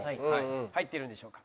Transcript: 入っているんでしょうか？